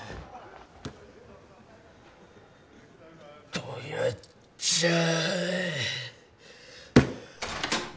どやっじゃあ！